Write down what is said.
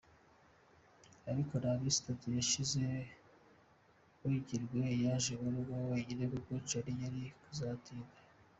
Ariko nta minsi itatu yashize Mbungira yaje mu rugo wenyine kuko Charles yari kuzatinda.